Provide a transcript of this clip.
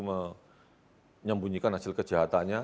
menyembunyikan hasil kejahatannya